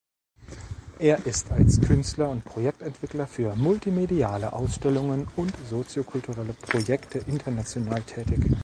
Er ist als Künstler und Projektentwickler für multimediale Ausstellungen und soziokulturelle Projekte international tätig.